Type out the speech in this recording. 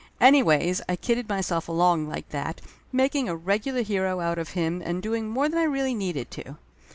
Anyways I kidded myself along like that, making a regular hero out of him and doing more than I really needed to.